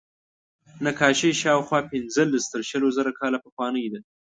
نقاشي شاوخوا پینځلس تر شلو زره کاله پخوانۍ ده.